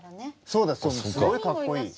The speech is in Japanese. そうだすごいかっこいい。